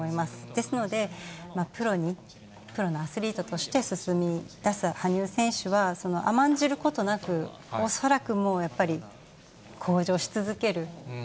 ですので、プロに、プロのアスリートとして進みだす羽生選手は、甘んじることなく、恐らくもうやっぱり向上し続ける。